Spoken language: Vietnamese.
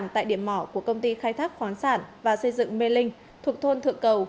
tại điểm mỏ của công ty khai thác khoáng sản và xây dựng mê linh thuộc thôn thượng cầu